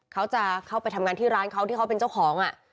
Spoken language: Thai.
เขาจะเข้าไปทำงานที่ร้านเขาที่เขาเป็นเจ้าของ